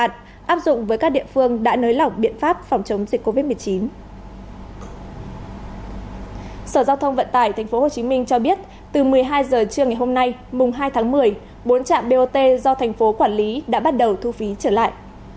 sở giao thông vận tải tp hcm cho biết từ một mươi hai h trưa ngày hôm nay mùng hai tháng một mươi bốn trạm bot do thành phố quản lý đã bắt đầu thu phí trở lại